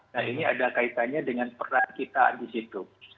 nah ini ada kaitannya dengan peran kita di situ